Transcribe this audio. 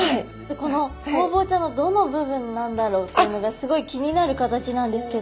このホウボウちゃんのどの部分なんだろうっていうのがすごい気になる形なんですけど。